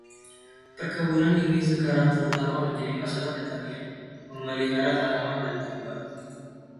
Perkebunan ini sekarang terutama menjadi masalah pertanian, memelihara tanaman dan domba.